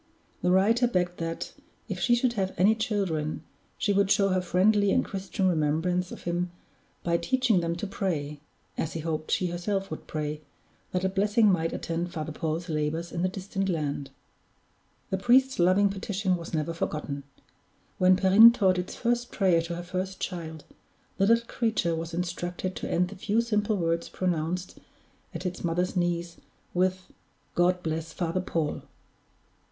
The writer begged that, if she should have any children, she would show her friendly and Christian remembrance of him by teaching them to pray (as he hoped she herself would pray) that a blessing might attend Father Paul's labors in the distant land. The priest's loving petition was never forgotten. When Perrine taught its first prayer to her first child, the little creature was instructed to end the few simple words pronounced at its mother's knees, with, "God bless Father Paul."